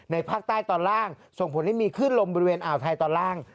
ภาคใต้ตอนล่างส่งผลให้มีขึ้นลมบริเวณอ่าวไทยตอนล่าง